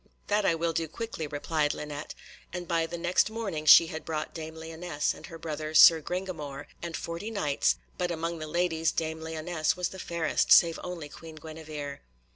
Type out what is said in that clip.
"That I will do quickly," replied Linet, and by the next morning she had brought dame Lyonesse, and her brother Sir Gringamore, and forty Knights, but among the ladies dame Lyonesse was the fairest, save only Queen Guenevere.